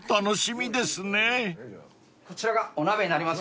こちらがお鍋になります。